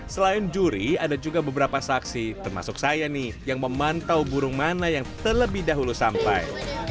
selain juri ada juga beberapa saksi termasuk saya nih yang memantau burung mana yang terlebih dahulu sampai